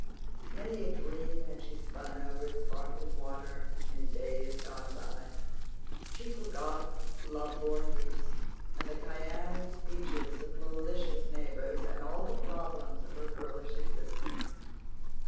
Many a dream had she spun over its sparkling water in days gone by. She forgot lovelorn youths, and the cayenne speeches of malicious neighbors, and all the problems of her girlish existence.